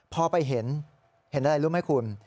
พอไปเห็นเห็นอะไรรู้ไหมคุณ